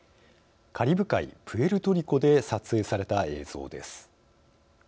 カリブ海プエルトリコで撮影された映像です。